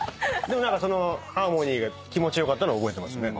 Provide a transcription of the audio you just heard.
でも何かそのハーモニーが気持ち良かったのは覚えてますね。